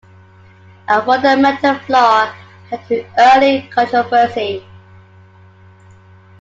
A fundamental flaw led to early controversy.